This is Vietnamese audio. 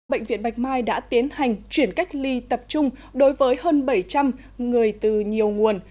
bệnh viện bạch mai đã tiến hành chuyển cách ly tập trung đối với hơn bảy trăm linh người từ nhiều nguồn